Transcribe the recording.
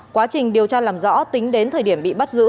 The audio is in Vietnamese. quá trình điều tra làm rõ tính đến thời điểm bị bắt giữ